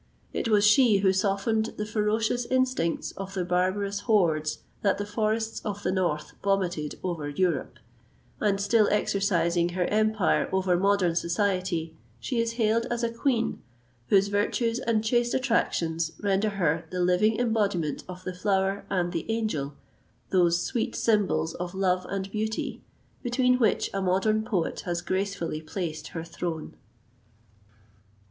It was she who softened the ferocious instincts of the barbarous hordes that the forests of the north vomited over Europe; and still exercising her empire over modern society, she is hailed as a queen, whose virtues and chaste attractions render her the living embodiment of the flower and the angel, those sweet symbols of love and beauty, between which a modern poet has gracefully placed her throne.